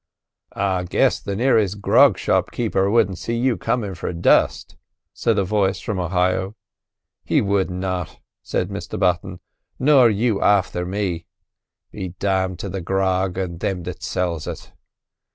"I guess the nearest grog shop keeper wouldn't see you comin' for dust," said a voice from Ohio. "He would not," said Mr Button; "nor you afther me. Be damned to the grog and thim that sells it!"